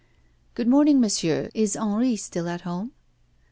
'Good morning, monsieur. Is Henri still at home?